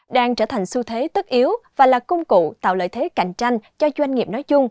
đang trở thành xu thế tất yếu và là công cụ tạo lợi thế cạnh tranh cho doanh nghiệp nói chung